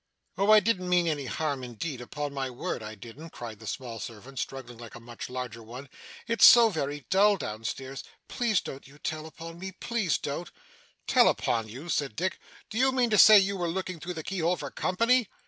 'Oh! I didn't mean any harm indeed, upon my word I didn't,' cried the small servant, struggling like a much larger one. 'It's so very dull, down stairs, Please don't you tell upon me, please don't.' 'Tell upon you!' said Dick. 'Do you mean to say you were looking through the keyhole for company?